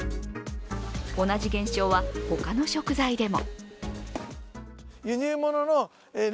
同じ現象は、他の食材でも。